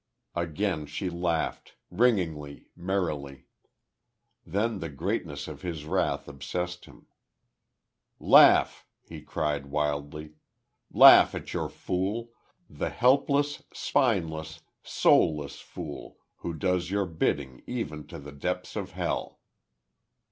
Again she laughed, ringingly, merrily. Then the greatness of his wrath obsessed him. "Laugh!" he cried, wildly. "Laugh at your fool! the helpless, spineless, soulless fool who does your bidding even to the depths of hell!